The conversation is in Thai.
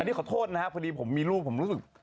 นี่ขอโทษนะครับพอดีผมมีลูกผมรู้สึก